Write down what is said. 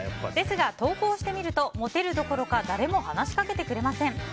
ですが、登校してみるとモテるどころか誰も話しかけてくれません。